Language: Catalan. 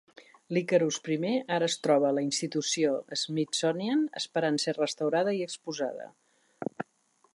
L'Icarus I ara es troba a la institució Smithsonian esperant ser restaurada i exposada.